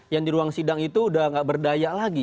yang di ruang sidang itu udah gak berdaya lagi